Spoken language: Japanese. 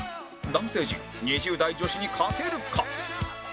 男性陣２０代女子に勝てるか？